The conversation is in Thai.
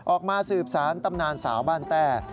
ออกมาสืบสารตำนานสาวบ้านแต้